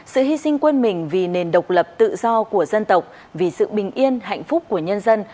sự hy sinh quên mình vì nền độc lập tự do của dân tộc vì sự bình yên hạnh phúc của nhân dân